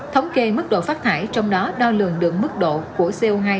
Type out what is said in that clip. thống kê mức độ phát thải trong đó đo lường được mức độ của co hai